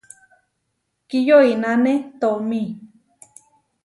Kiyoináne tomí.